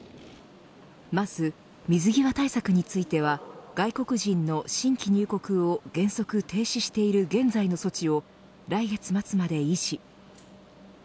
まず水際対策については外国人の新規入国を原則停止している現在の措置を来月末まで維持。